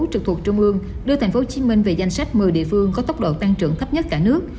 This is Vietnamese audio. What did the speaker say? trực thuộc trung ương đưa thành phố hồ chí minh về danh sách một mươi địa phương có tốc độ tăng trưởng thấp nhất cả nước